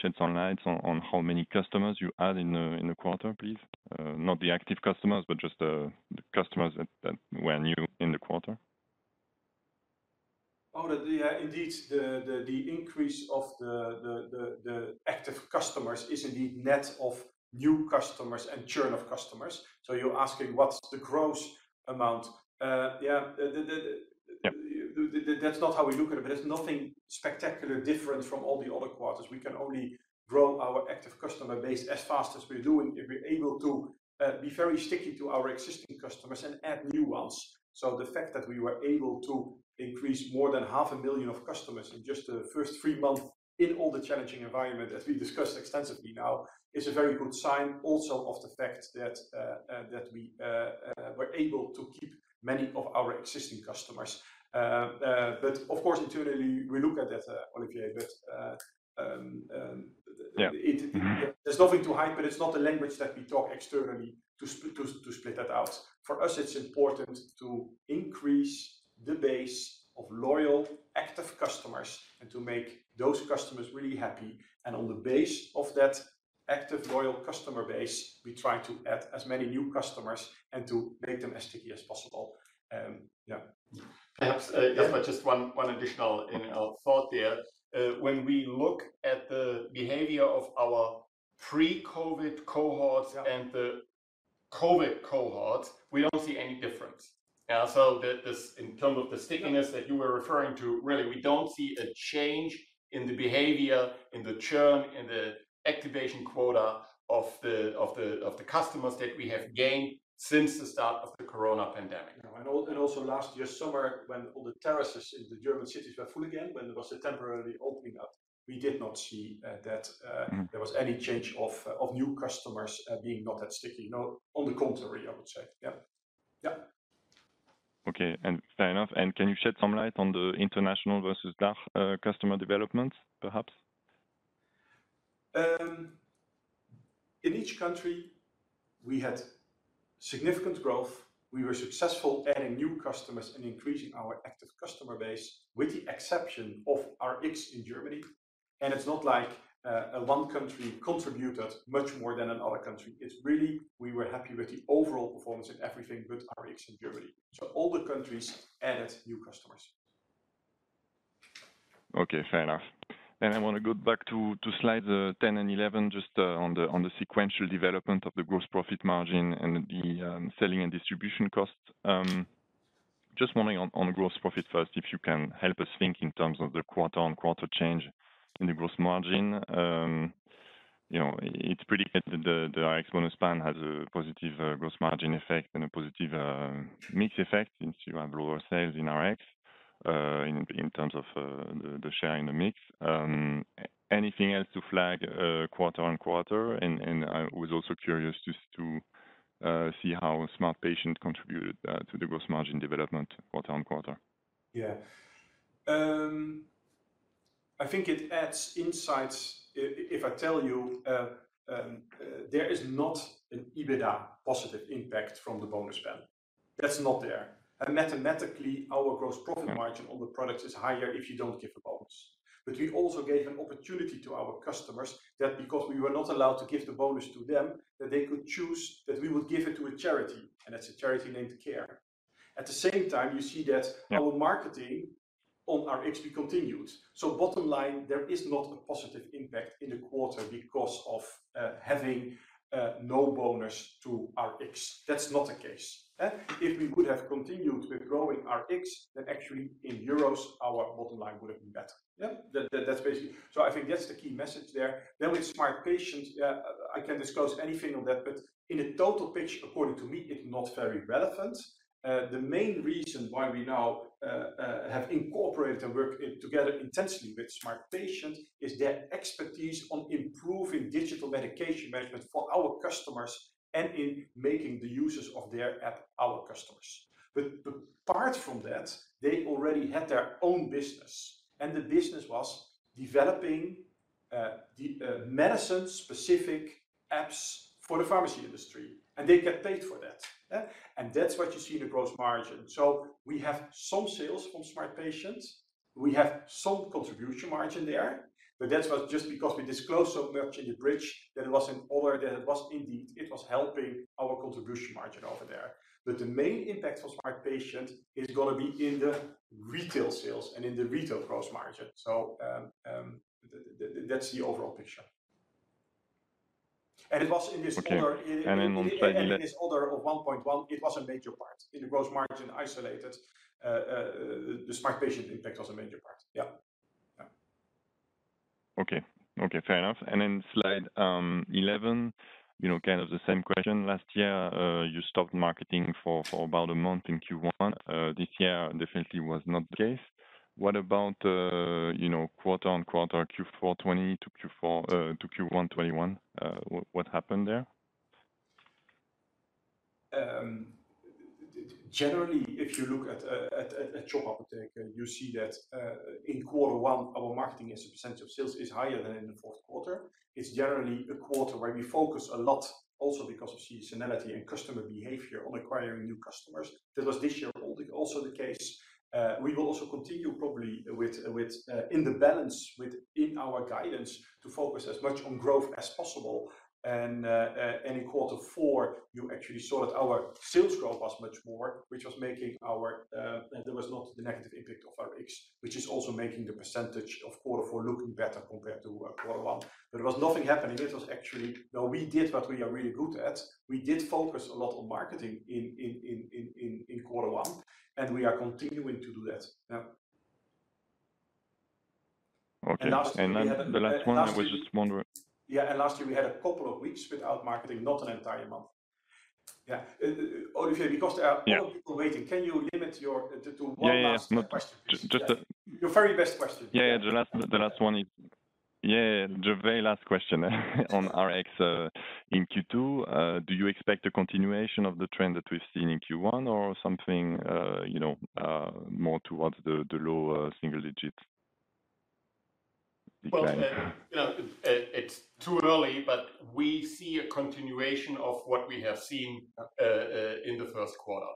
shed some light on how many customers you add in the quarter, please. Not the active customers, but just the customers that were new in the quarter.
Indeed, the increase of the active customers is indeed net of new customers and churn of customers. You're asking what's the gross amount.
Yeah.
That's not how we look at it, but it's nothing spectacularly different from all the other quarters. We can only grow our active customer base as fast as we do, and we're able to be very sticky to our existing customers and add new ones. The fact that we were able to increase more than half a million customers in just the first three months in all the challenging environment as we discussed extensively now, is a very good sign also of the fact that we were able to keep many of our existing customers. Of course, internally, we look at that, Olivier.
Yeah.
There's nothing to hide, but it's not the language that we talk externally to split that out. For us, it's important to increase the base of loyal, active customers and to make those customers really happy. On the base of that active, loyal customer base, we try to add as many new customers and to make them as sticky as possible. Yeah.
Perhaps, Jasper, just one additional thought there. When we look at the behavior of our pre-COVID cohorts and the COVID cohorts, we don't see any difference. In terms of the stickiness that you were referring to, really, we don't see a change in the behavior, in the churn, in the activation quota of the customers that we have gained since the start of the corona pandemic.
Also last year, summer, when all the terraces in the German cities were full again, when there was a temporary opening up, we did not see that there was any change of new customers being not that sticky. No, on the contrary, I would say. Yeah.
Okay. Fair enough. Can you shed some light on the international versus DACH customer development, perhaps?
In each country, we had significant growth. We were successful adding new customers and increasing our active customer base with the exception of Rx in Germany. It's not like one country contributed much more than another country. It's really we were happy with the overall performance in everything but Rx in Germany. All the countries added new customers.
Okay, fair enough. I want to go back to slide 10 and 11, just on the sequential development of the gross profit margin and the selling and distribution costs. Just wondering on gross profit first, if you can help us think in terms of the quarter-on-quarter change in the gross margin. It's predicted the Rx bonus ban has a positive gross margin effect and a positive mix effect since you have lower sales in Rx, in terms of the share in the mix. Anything else to flag quarter-on-quarter? I was also curious just to see how SmartPatient contributed to the gross margin development quarter-on-quarter.
I think it adds insights, if I tell you there is not an EBITDA positive impact from the bonus ban. That's not there. Mathematically, our gross profit margin on the product is higher if you don't give a bonus. We also gave an opportunity to our customers that because we were not allowed to give the bonus to them, that they could choose that we would give it to a charity, and that's a charity named CARE. At the same time, you see that our marketing on RxB continued. Bottom line, there is not a positive impact in the quarter because of having no bonus to Rx. That's not the case. If we would have continued with growing Rx, then actually in EUR, our bottom line would have been better. That's basically it. I think that's the key message there. With SmartPatient, I can't disclose anything on that, but in a total picture, according to me, it's not very relevant. The main reason why we now have incorporated the work together intensely with SmartPatient is their expertise on improving digital medication management for our customers and in making the users of their app our customers. Apart from that, they already had their own business, and the business was developing medicine-specific apps for the pharmacy industry, and they get paid for that. That's what you see in the gross margin. We have some sales from SmartPatient. We have some contribution margin there, but that was just because we disclosed so much in the bridge that it was in order, that it was indeed helping our contribution margin over there. The main impact for SmartPatient is going to be in the retail sales and in the retail gross margin. That's the overall picture.
Okay. On page 11.
In this order of 1.1, it was a major part. In the gross margin isolated, the SmartPatient impact was a major part. Yeah.
Okay. Fair enough. Slide 11, kind of the same question. Last year, you stopped marketing for about a month in Q1. This year definitely was not the case. What about quarter-on-quarter Q4 2020 to Q1 2021? What happened there?
Generally, if you look at Shop Apotheke, you see that in quarter one, our marketing as a percentage of sales is higher than in the fourth quarter. It's generally a quarter where we focus a lot also because of seasonality and customer behavior on acquiring new customers. That was this year also the case. We will also continue probably in the balance within our guidance to focus as much on growth as possible, and in quarter four, you actually saw that our sales growth was much more. There was not the negative impact of Rx, which is also making the percentage of quarter four looking better compared to quarter one. There was nothing happening. It was actually, no, we did what we are really good at. We did focus a lot on marketing in quarter one, and we are continuing to do that. Yeah.
Okay. Then the last one was a small one.
Last year we had a couple of weeks without marketing, not an entire month. Yeah. Olivier, because there are a lot of people waiting, can you limit to one last question, please?
Yeah, yeah.
Your very best question.
The last one, the very last question on Rx in Q2, do you expect a continuation of the trend that we've seen in Q1 or something more towards the lower single digits decline?
Well, it's too early, but we see a continuation of what we have seen in the first quarter.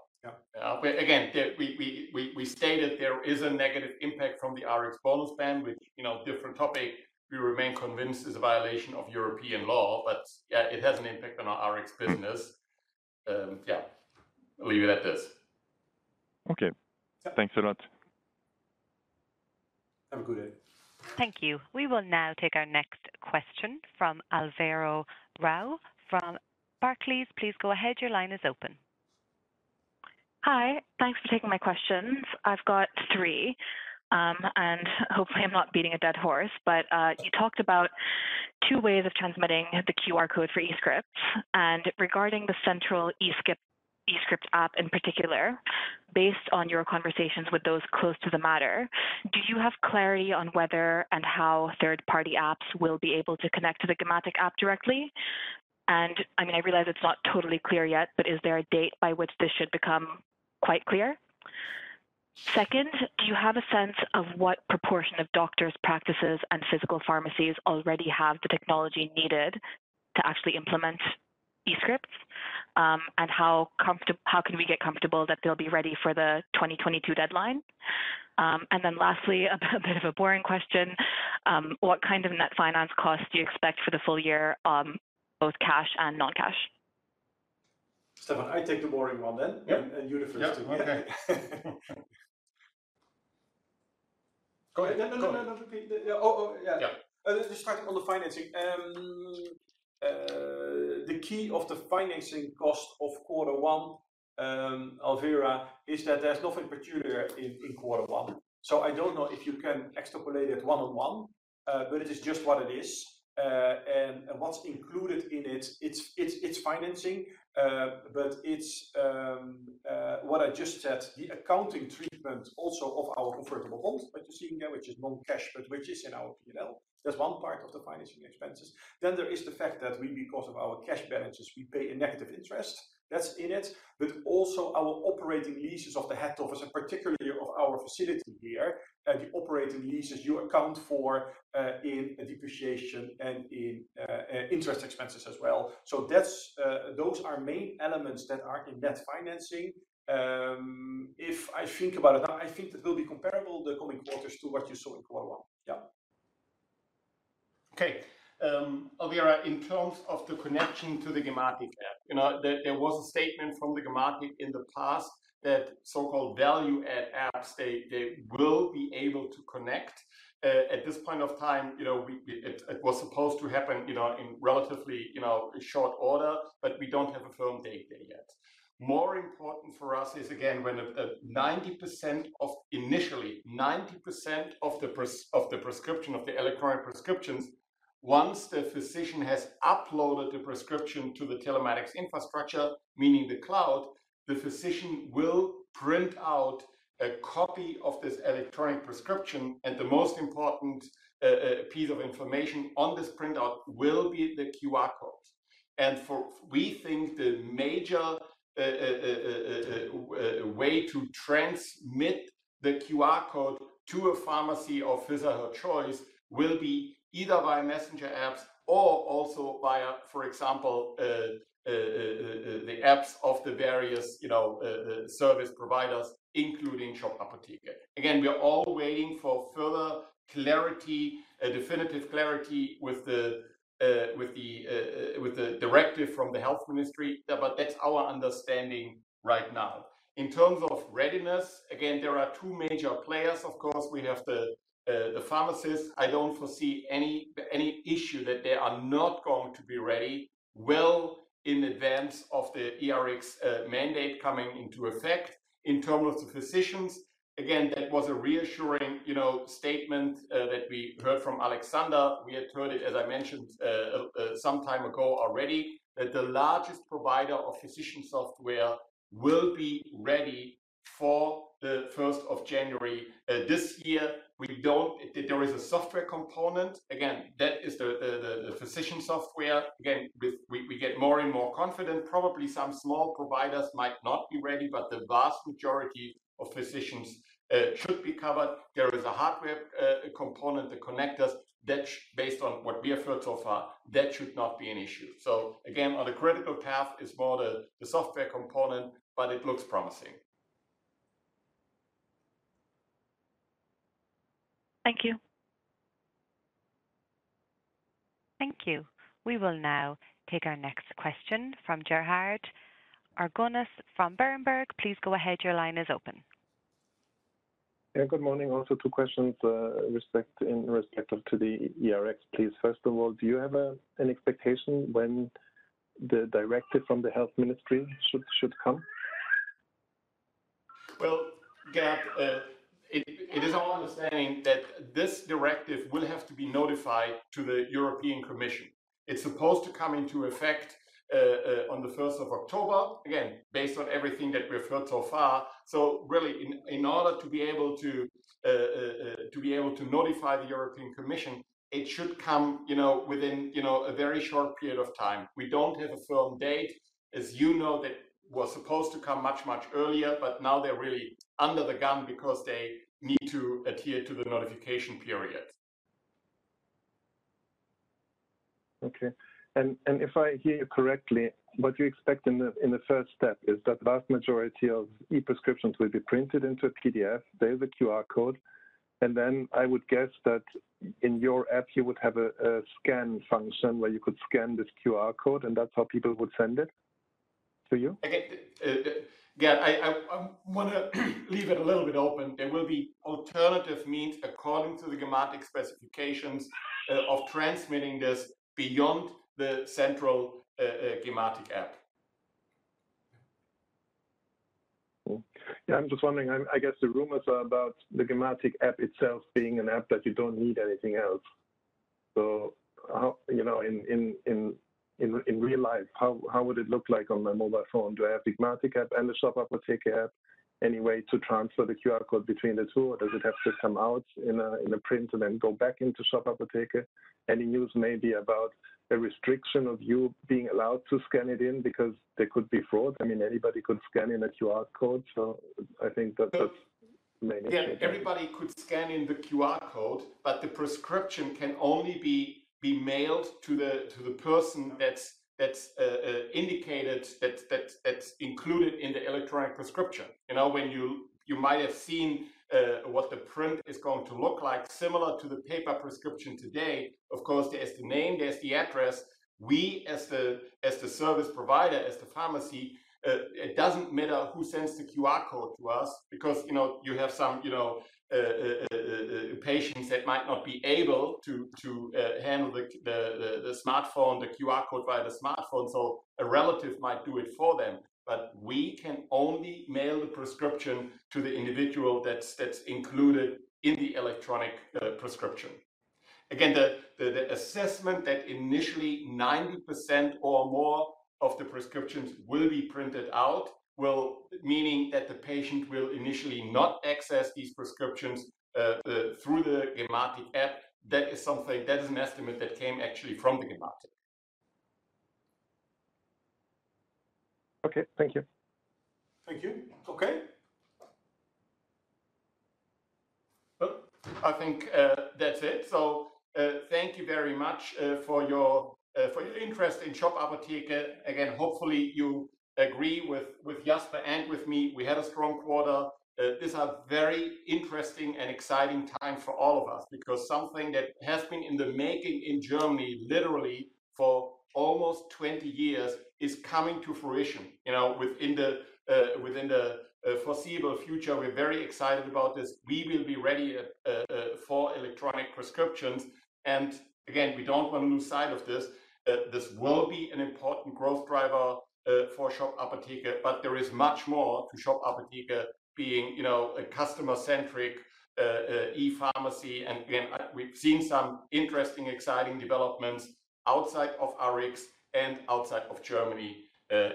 Yeah. Again, we stated there is a negative impact from the Rx bonus ban, which different topic, we remain convinced is a violation of European law. Yeah, it has an impact on our Rx business. Yeah. I'll leave it at this.
Okay. Thanks a lot.
Have a good day.
Thank you. We will now take our next question from Alvaro Romero from Barclays. Please go ahead. Your line is open.
Hi. Thanks for taking my questions. I've got three. Hopefully I'm not beating a dead horse, but you talked about two ways of transmitting the QR code for e-prescription. Regarding the central e-prescription app in particular, based on your conversations with those close to the matter, do you have clarity on whether and how third-party apps will be able to connect to the gematik app directly? I realize it's not totally clear yet, but is there a date by which this should become quite clear? Second, do you have a sense of what proportion of doctors' practices and physical pharmacies already have the technology needed to actually implement eScripts? How can we get comfortable that they'll be ready for the 2022 deadline? Lastly, a bit of a boring question. What kind of net finance cost do you expect for the full year, both cash and non-cash?
Stefan, I take the boring one then.
Yeah
You the first two.
Yeah. Okay. Go ahead.
No, repeat. Oh, yeah.
Yeah.
Let's start on the financing. The key of the financing cost of quarter one, Alvaro Romero, is that there's nothing peculiar in quarter one. I don't know if you can extrapolate it one-on-one, but it is just what it is. What's included in it's financing, but it's what I just said, the accounting treatment also of our convertible bonds that you're seeing there, which is non-cash, but which is in our P&L. That's one part of the financing expenses. There is the fact that we, because of our cash balances, we pay a negative interest. That's in it. Also our operating leases of the head office and particularly of our facility here, the operating leases you account for in depreciation and in interest expenses as well. Those are main elements that are in that financing. If I think about it, I think that will be comparable the coming quarters to what you saw in quarter one. Yeah.
Okay. Alvaro, in terms of the connection to the gematik app, there was a statement from the gematik in the past that so-called value-add apps, they will be able to connect. At this point in time, it was supposed to happen in relatively short order, we don't have a firm date there yet. More important for us is, again, initially 90% of the electronic prescriptions, once the physician has uploaded the prescription to the telematics infrastructure, meaning the cloud, the physician will print out a copy of this electronic prescription, and the most important piece of information on this printout will be the QR code. We think the major way to transmit the QR code to a pharmacy of his or her choice will be either via messenger apps or also via, for example, the apps of the various service providers, including Shop Apotheke. We are all waiting for further definitive clarity with the directive from the Health Ministry, but that's our understanding right now. In terms of readiness, again, there are two major players. Of course, we have the pharmacists. I don't foresee any issue that they are not going to be ready well in advance of the e-Rx mandate coming into effect. In terms of the physicians, again, that was a reassuring statement that we heard from Alexander Thiel. We had heard it, as I mentioned, some time ago already, that the largest provider of physician software will be ready for the 1st of January this year. There is a software component. That is the physician software. We get more and more confident. Probably some small providers might not be ready, but the vast majority of physicians should be covered. There is a hardware component, the connectors, that based on what we have heard so far, that should not be an issue. Again, on the critical path is more the software component, but it looks promising.
Thank you.
Thank you. We will now take our next question from Gerhard Orgonas from Berenberg. Please go ahead. Your line is open.
Yeah, good morning. Two questions in respect to the e-Rx, please. First of all, do you have an expectation when the directive from the health ministry should come?
Well, Gerhard, it is our understanding that this directive will have to be notified to the European Commission. It's supposed to come into effect on the 1st of October, again, based on everything that we have heard so far. Really, in order to be able to notify the European Commission, it should come within a very short period of time. We don't have a firm date. As you know, that was supposed to come much, much earlier, but now they're really under the gun because they need to adhere to the notification period.
Okay. If I hear you correctly, what you expect in the first step is that vast majority of e-prescriptions will be printed into a PDF. There is a QR code, and then I would guess that in your app you would have a scan function where you could scan this QR code, and that's how people would send it to you?
Again, Gerhard, I want to leave it a little bit open. There will be alternative means according to the Gematik specifications of transmitting this beyond the central Gematik app.
Cool. Yeah, I'm just wondering, I guess the rumors are about the Gematik app itself being an app that you don't need anything else. In real life, how would it look like on my mobile phone? Do I have Gematik app and the Shop Apotheke app, any way to transfer the QR code between the two, or does it have to come out in a print and then go back into Shop Apotheke? Any news maybe about a restriction of you being allowed to scan it in because there could be fraud. Anybody could scan in a QR code.
Yeah. Everybody could scan in the QR code. The prescription can only be mailed to the person that's indicated, that's included in the electronic prescription. You might have seen what the print is going to look like similar to the paper prescription today. Of course, there's the name, there's the address. We as the service provider, as the pharmacy, it doesn't matter who sends the QR code to us because you have some patients that might not be able to handle the QR code via the smartphone, so a relative might do it for them. We can only mail the prescription to the individual that's included in the electronic prescription. Again, the assessment that initially 90% or more of the prescriptions will be printed out, meaning that the patient will initially not access these prescriptions through the Gematik app, that is an estimate that came actually from the Gematik.
Okay. Thank you.
Thank you. Okay. I think that's it. Thank you very much for your interest in Shop Apotheke. Again, hopefully you agree with Jasper and with me, we had a strong quarter. These are very interesting and exciting times for all of us, because something that has been in the making in Germany, literally for almost 20 years, is coming to fruition within the foreseeable future. We're very excited about this. We will be ready for electronic prescriptions. Again, we don't want to lose sight of this. This will be an important growth driver for Shop Apotheke, but there is much more to Shop Apotheke being a customer-centric e-pharmacy. Again, we've seen some interesting, exciting developments outside of Rx and outside of Germany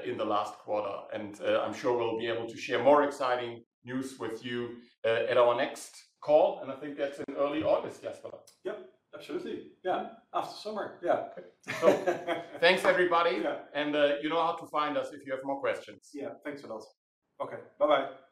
in the last quarter. I'm sure we'll be able to share more exciting news with you at our next call, and I think that's in early August, Jasper.
Yep. Absolutely. Yeah. After summer. Yeah.
Thanks everybody.
Yeah.
You know how to find us if you have more questions.
Yeah. Thanks, Olaf.
Okay. Bye-bye.